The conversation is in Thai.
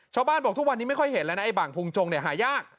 ชาวบ้านบอกทุกวันนี้ไม่ค่อยเห็นแล้วอั๊ยบางภูมิจงหายาก